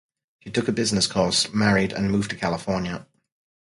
She took a business course, married, and moved to California.